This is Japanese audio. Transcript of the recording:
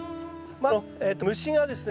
まあ虫がですね